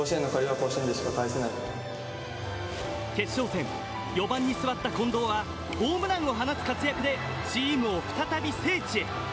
決勝戦４番に座った近藤はホームランを放つ活躍でチームを再び聖地へ。